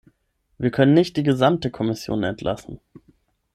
Wir können nicht die gesamte Kommission entlassen.